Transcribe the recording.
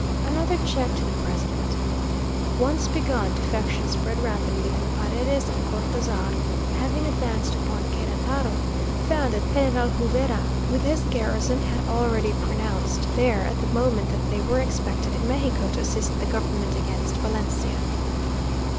Another check to the president. Once begun, defection spread rapidly, and Paredes and Cortazar having advanced upon Queretaro, found that General Juvera, with his garrison, had already pronounced there, at the moment that they were expected in Mexico to assist the government against Valencia.